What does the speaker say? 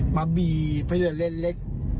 มาบีบไปเลือดเล่นเล็ก